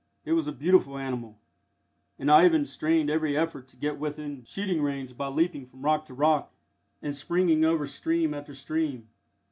It was a beautiful animal, and Ivan strained every effort to get within shooting range by leaping from rock to rock, and springing over stream after stream.